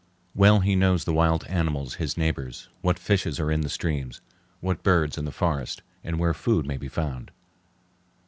Well he knows the wild animals his neighbors, what fishes are in the streams, what birds in the forests, and where food may be found.